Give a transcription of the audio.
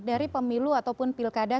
dari pemilu ataupun pilkada